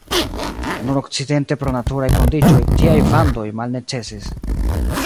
Nur okcidente pro naturaj kondiĉoj tiaj vandoj malnecesis.